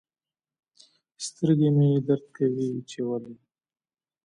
سترګي مي درد کوي چي ولي